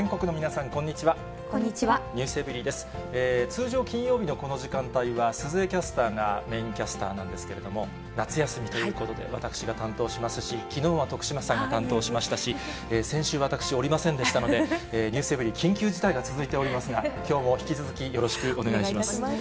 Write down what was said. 通常、金曜日のこの時間帯は、鈴江キャスターがメインキャスターなんですけれども、夏休みということで、私が担当しますし、きのうは徳島さんが担当しましたし、先週、私おりませんでしたので、ｎｅｗｓｅｖｅｒｙ．緊急事態が続いておりますが、きょうも引き続き、よろしくお願いします。